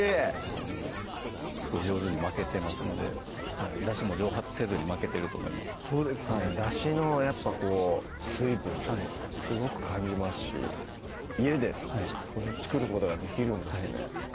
でもすごい上手に巻けてますのでだしも蒸発せずに巻けてると思いますそうですねだしのやっぱこう水分というかすごく感じますし家でこれを作ることができるんですね